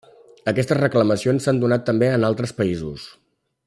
Aquestes reclamacions s'han donat també en altres països.